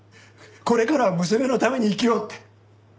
これからは娘のために生きようって。